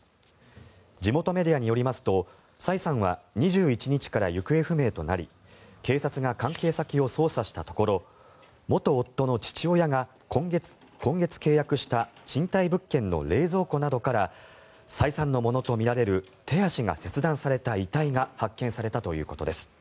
地元メディアによりますとサイさんは２１日から行方不明となり警察が関係先を捜査したところ元夫の父親が今月契約した賃貸物件の冷蔵庫などからサイさんのものとみられる手足が切断された遺体が発見されたということです。